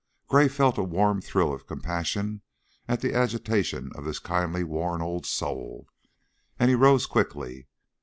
Gray felt a warm thrill of compassion at the agitation of this kindly, worn old soul, and he rose quickly.